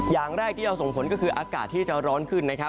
อย่างแรกที่เราส่งผลก็คืออากาศที่จะร้อนขึ้น